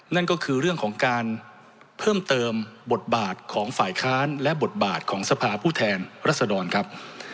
นั่นก็คือเรื่องของการเพิ่มเติมบทบาทของฝ่ายค้านและบทบาทของสภาผู้แทนรัศดรครับ